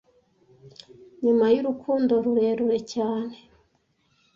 nyuma y'urukundo rurerure cyane